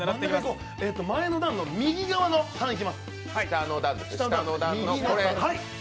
前の段の右側の３いきます！